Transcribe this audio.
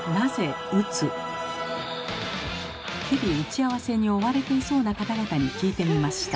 日々打ち合わせに追われていそうな方々に聞いてみました。